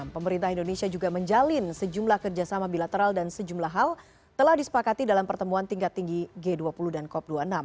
pemerintah indonesia juga menjalin sejumlah kerjasama bilateral dan sejumlah hal telah disepakati dalam pertemuan tingkat tinggi g dua puluh dan cop dua puluh enam